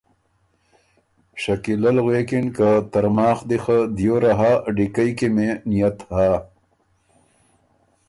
شکیله ل غوېکِن که ترماخ دی خه دیوره هۀ، ډیکئ کی ميې نئت هۀ،